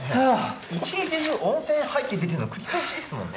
一日中温泉入って出ての繰り返しですもんね。